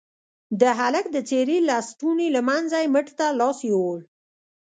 د هلك د څيرې لستوڼي له منځه يې مټ ته لاس يووړ.